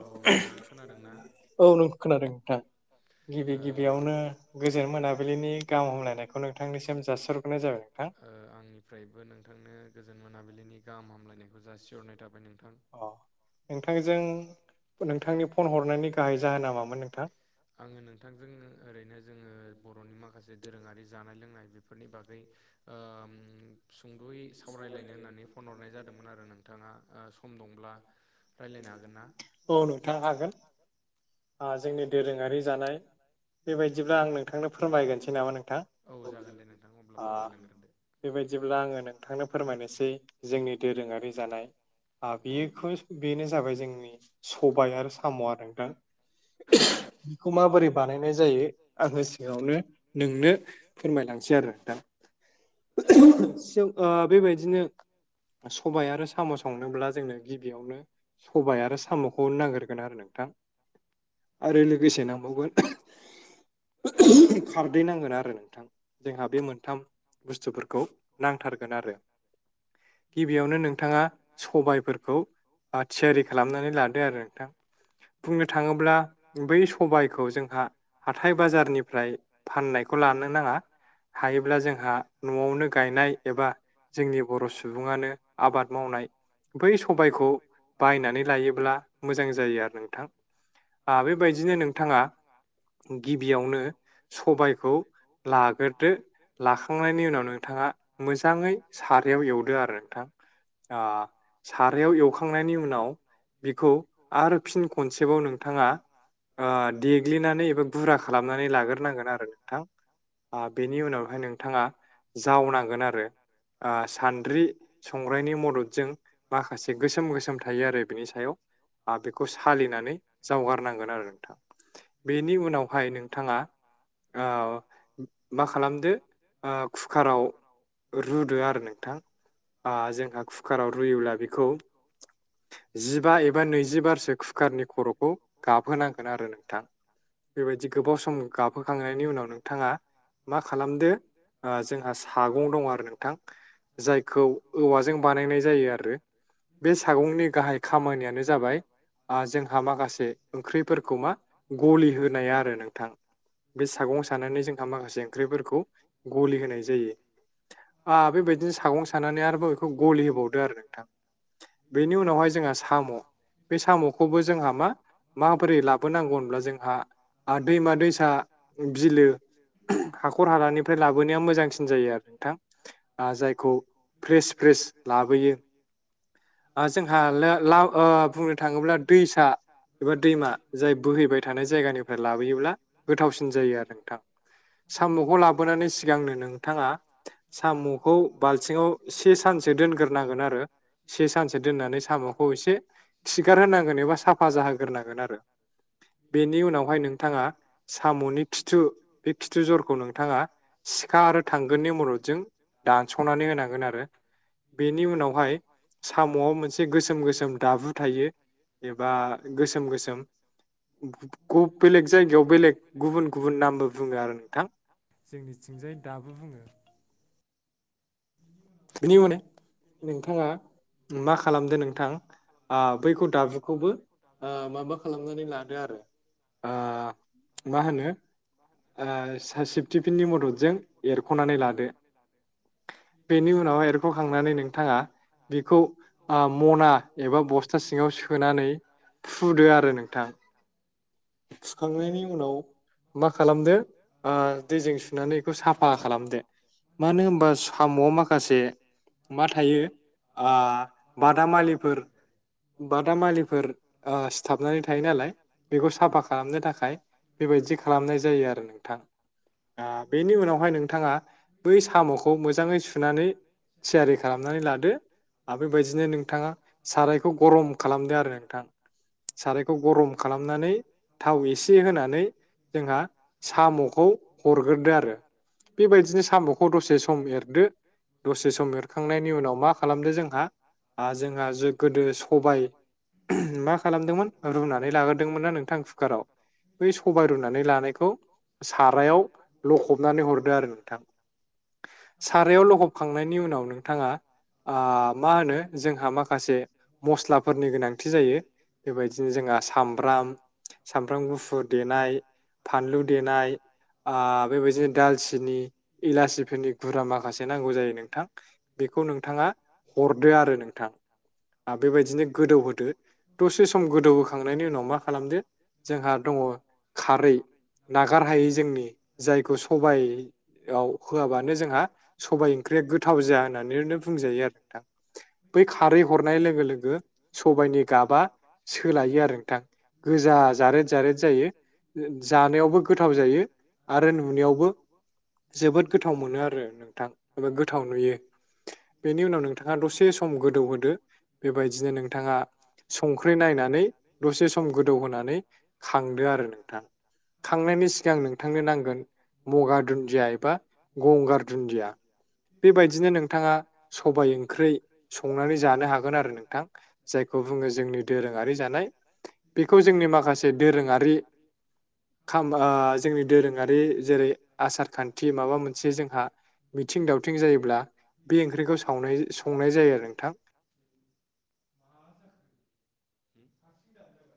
औ नोंथां खोनादोंना? औ औ खोनादों। ओ ओ आं फ्रायबो नोंथांनो गोजोन मोनाबिलिनि गाहाम हामलायनायखौ जासिहरनाय थाबाय नोंथां। नोंजों फन हरनाय जाहोना मामोन? आङो नोंथांजों ओरैनो जोङो बर'नि माखासे दोरोङारि जानाय लोंनाय बेफोरनि बागै ओ सुंद'यै सावरायलायनो होननानै फन हरनाय जादोंमोन आरो नोंथाङा सम दंब्ला रायलायनो हा अ नोंथां हागोन [unintelligible] औ जागोन दे नोंथां अब्ला फोरमायलांग्रोदो। बेबायदिब्ला आङो नोंथांनो फोरमायनोसै जोंनि दोरोङारि जानाय। ओ बिखौ बेनो जाबाय जोंनि सबाय आरो साम' आरो नोंथां। [unintelligible] जागोन ओ बेबायदिनो सबाय आरो साम' संनोब्ला जोंङनो गिबियावनो सबाय आरो साम'खौ नांगोर गोन आरो नोंथां। आरो लोगोसे नांबावगोन खारदै नांगोन आरो नोंथां। जोंहा बे मोनथाम बुस्थुफोरखौ नांथारगोन आरो। गिबियावनो नोंथाङा सबायफोर थियारि खालामनानै लादो आरो नोंथां। बुंनो थाङोब्ला बे सबायखौ जोंहा हाथाइ बाजारनि फाननायखौ लानो नाङा हायोब्ला जोंहा न'आवनो गायनाय एबा जोंनि बर' सुबुं ङानो आबाद मावनाय बै सबायखौ बायनानै लायोब्ला मोजां जायो आरो नोंथां। ओ बेबायदिनो नोंथाङा गिबियावनो सबायखौ लाग्रोदो लाखांनायनि उनाव नोंथाङा मोजाङै सारायाव एवदो आरो नोंथां ओ सारायाव एवखां खांनायनि उनाव बिखौ आरो फिन खनसेबाव नोंथाङा ओ देग्लिनानै एबा गुरा खालामनानै लाग्रोनांगोन आरो नोंथां। आ बेनि उनावहाय नोंथाङा जावनांगोन आरो। ओ सानद्रि संग्राइनि मददजों माखासे गोसोम गोसोम थायो आरो बिनि सायाव आ बेखौ सालिनानै जावगारनांगोन आरो नोंथां बेनि उनावहाय नोंथाङा। औ मा खालामदो कुकाराव रुदो आरो नोंथां। आ जोंहा कुकाराव रुयोब्ला बेखौ जिबा एबा नैजिबारसो कुकारनि खर'खौ गाबहोनांगोन आरो नोंथां। बेबायदि गोबाव सम गाबहोखांनायनि उनाव नोंथाङा मा खालामदो। ओ जोंहा सागं दं आरो नोंथां जायखौ औवाजों बानायनाय जायो आरो। बे सागंनि गाहाय खामानियानो जाबाय जोंहा माखासे ओंखैफोरखौ गलि होनाया आरो नोंथां। बे सागं सानानै जोंहा माखासे ओंख्रिफोरखौ गलि होनाय जायो। आ बेबायदिनो सागं सानानै आरोबाव बेखौ गलि होबावदो आरो नोंथां। बेनि उनावहाय जोंहा साम' बे साम'खौबो जोंहा मा माबोरै लाबोनांगौ होनब्ला जों हा दैमा दैसा बिलो हाखर हालानिफ्राय लाबोनाया मोजांसिन जायो आरो। नोंथां आ जायखौ फ्रेस फ्रेस लाबोयो आ जोंहा लो-ला-ओ बुंनो थाङोब्ला दैसा एबा दैमा जाय बोहैबाय थानाय जायगानिफ्राय लाबोयोब्ला गोथावसिन जायो आरो नोंथां। साम'खौ लाबोनानै सिगांनो नोंथाङा साम'खौ बाल्थिङाव से सानसो दोनगोर नांगोन आरो [inaudible] से सानसे दोननानै बे साम'खौ एसे खिगार होनांगोन एबा साफा जाहोग्रोनांगोन आरो बेनि उनावहाय नोंथाङा साम'नि खिथु खिथु जरखौ नोंथाङा सिखा आरो थांगोननि मददजों दानस'नानै होनांगोन आरो। बेनि उनावहाय साम'आव मोनसे गोसोम गोसोम दाबु थायो एबा गोसोम गोसोम गु बेलेग जायगायाव बेलेग गुबुन गुबुन नामबो बुङो आरो नोंथां। जे दाबु बिनि उनाव नि माने बिनि उनावहाय मा खालामदो नोंथां ओ बैखौ दाबुखौबो ओ माबा खालामनानै लादो आरो आ मा होनो ओ सा-सेबटिफिननि मददजों एरख'नानै लादो। बेनि उनावहाय एरख'खांनानै नों थाङा बेखौ ओ मना एबा बस्था सिङाव सोनानै फुदो आरो नोंथां फुखांनायनि उनाव मा खालामदो ओ दैजों सुनानै साफा खालामदो। मानो होनबा न'आव माखासे मा थायो आ बादामालिफोर बादामालि ओ सिथाबनानै थायो नालाय बेखौ साफा खालामनो थाखाय बेबायदि खालामनाय जायो आरो नोंथां। ओ बेनि उनावहाय नोंथाङा बै साम'खौ मोजाङै सुनानै थियारि खालामनानै लादो आरो बेबायदिनो नोंथाङा सारायखौ गरम खालामदो आरो नोंथां। सारायखौ गरम खालामनानै थाव एसे होनानै जोंहा जों साम'खौ हरगोरदो आरो बेबायदिनो साम'खौ दसे सम एरदो दसे सम एरखांनायनि उनाव मा खालामदो जोंहा आ जोंहा गोदो सबाय मा खालामदोंमोन रूनानै लाग्रोदोंमोनना नोंथां कुकाराव सबाय रुनानै लानायखौ सारायाव लखबनानै हरदों आरो नोंथां। सारायाव लखबखांनायनि उनाव नोंथांङा आ मा होनो जोंहा माखासे मस्लाफोरनि गोनांथि जायो बेबायदिनो जोंहा सामब्राम सामब्राम गुफुर देनाय, फानलु देनाय ओ बेबायदिनो दालसिनि इलासिफोरनि गुरा माखासे माखासे नांगौ नोंथां बेखौ नोंथाङा हरदो आरो नोंथां। बेबायदिनो गोदौ होदो दसे सम गोदौहखांनायनि उनाव मा खालामदो जोंहा दङ खारै नागार हायै जों जायखौ सबाइ आव होआबानो जोंहा सबाइ ओंख्रिया गोथाव जाया होननानैनो बुंजायो आरो नोंथां। बै खारै हरनाय लोगो लोगो सबाइनि गाबा सोलायो आरो गोजा जारेद जारेद जायो जानायावबो गोथाव जायो। आरो बेयावबो जोबोद गोथाव मोनो आरो नोंथां ओमफाय गोथाव नुयो। बेनि उनाव नोंथाङा दसे सम गोदौ होदो बेबायदिनो नोंथाङा संख्रि नायनानै दसे सम गोदौ होनोनानै खांदो आरो खांनायनि सिगां नोंथांनो नांगोन मगा दुनदिया एबा गंगार बेबायदिनो नोंथाङा सबाय ओंख्रै संनानै जानो हागोन आरो नोंथां। जायखौ बुङो जों दोरोंङारि जानाय बेखौ जोंनि माखासे दोरोङारि खाम्बा जोंनि दोरोङारि जेरै आसार खान्थि माबा मोनसे जोंहा। मिथिं दावथिं जायोब्ला बे ओंख्रिखौ सावनायजों संनाय जायो आरो नोंथां। मा जाखो हारसिं दानजाबाय।